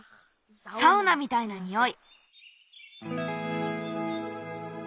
サウナみたいなにおい。